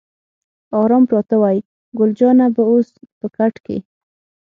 آرام پراته وای، ګل جانه به اوس په کټ کې.